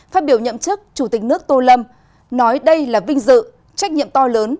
phát biểu nhậm chức chủ tịch nước tô lâm nói đây là vinh dự trách nhiệm to lớn